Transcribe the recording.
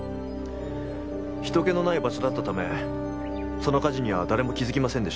人気のない場所だったためその火事には誰も気づきませんでした。